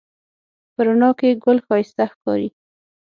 په رڼا کې ګل ښایسته ښکاري